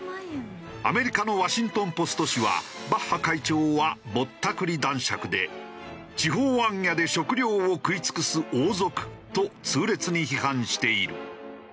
アメリカの『ワシントン・ポスト』紙は「バッハ会長はぼったくり男爵で地方行脚で食料を食い尽くす王族」と痛烈に批判している。